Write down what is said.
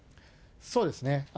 そうですね。